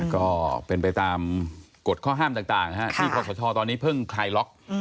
ก็เป็นไปตามกฎข้อห้ามต่างที่ขอสชตอนนี้เพิ่งคลายล็อก